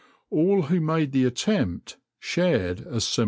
All who made the attempt shared a similar fate.